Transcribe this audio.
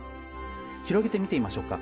広げて見てみましょうか。